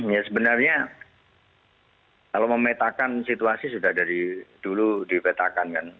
ya sebenarnya kalau memetakan situasi sudah dari dulu dipetakan kan